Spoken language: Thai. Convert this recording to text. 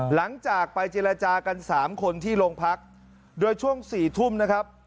หลังจากไปเจรจากันสามคนที่โรงพักโดยช่วง๔ทุ่มนะครับ